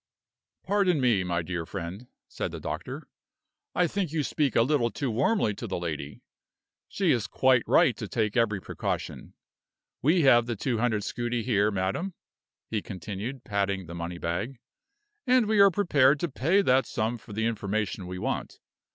"Pardon me, my dear friend," said the doctor; "I think you speak a little too warmly to the lady. She is quite right to take every precaution. We have the two hundred scudi here, madam," he continued, patting the money bag; "and we are prepared to pay that sum for the information we want.